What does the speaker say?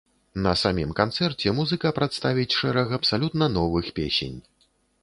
На самім канцэрце музыка прадставіць шэраг абсалютна новых песень.